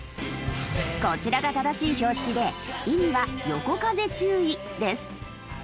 こちらが正しい標識で意味は横風注意です。